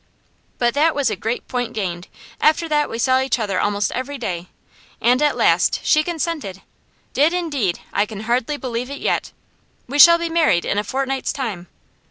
But that was a great point gained. After that we saw each other almost every day, and at last she consented! Did indeed! I can hardly believe it yet. We shall be married in a fortnight's time.